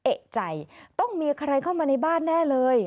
เอกใจต้องมีใครเข้ามาในบ้านแน่เลย